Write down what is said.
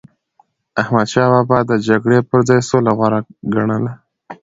احمدشاه بابا به د جګړی پر ځای سوله غوره ګڼله.